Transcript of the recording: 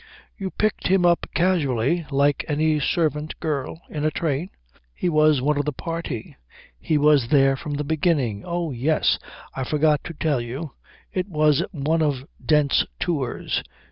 "You picked him up casually, like any servant girl, in a train?" "He was one of the party. He was there from the beginning. Oh, yes, I forgot to tell you it was one of Dent's Tours."